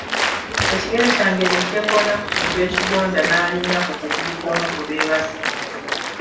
Ekigere kyange ne kyekoona ku kintu ekigonda n'alinnya ku kugulu kw'omu ku beebase.